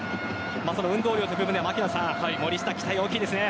運動量という部分では森下期待大きいですね。